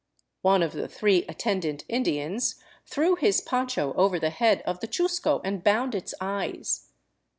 One of the three attendant Indians threw his poncho over the head of the chusco and bound its eyes.